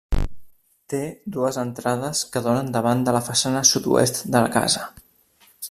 Té dues entrades que donen davant de la façana sud-oest de la casa.